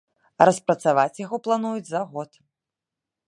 Распрацаваць яго плануюць за год.